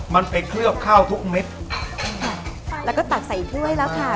มันไปเคลือบข้าวทุกเม็ดค่ะแล้วก็ตักใส่ถ้วยแล้วค่ะ